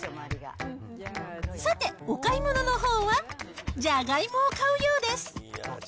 さて、お買い物のほうは、ジャガイモを買うようです。